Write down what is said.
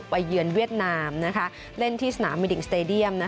เยือนเวียดนามเล่นที่สนามมิดิกสเตดียม